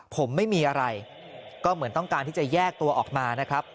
ผมไม่มีอะไรก็เหมือนต้องการที่จะแยกตัวออกมานะครับ